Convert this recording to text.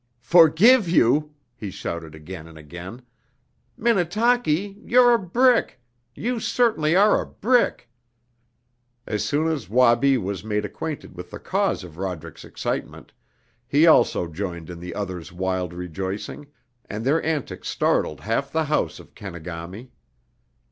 "Forgive you!" he shouted again and again. "Minnetaki, you're a brick you certainly are a brick!" As soon as Wabi was made acquainted with the cause of Roderick's excitement he also joined in the other's wild rejoicing, and their antics startled half the house of Kenegami.